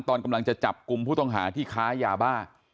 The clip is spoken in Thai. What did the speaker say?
ตอนกำลังจะจับกลุ่มผู้ต้องหาที่ค้ายาบ้า